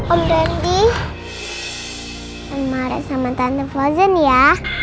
om dandi jangan marah sama tante fosun ya